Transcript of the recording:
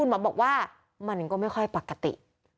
หมอบอกว่ามันก็ไม่ค่อยปกติ